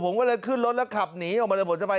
ผมก็เรี่ยนขึ้นรถและขับหนีผมก็จะไป